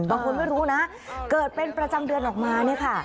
บางคนไม่รู้นะเกิดเป็นประจำเดือนออกมาเนี่ยค่ะ